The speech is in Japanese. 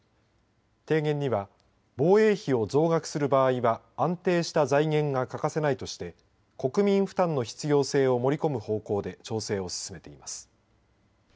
提言には防衛費を増額する場合は安定した財源が欠かせないとして国民負担の必要性を盛り込む方向で調整を進めています。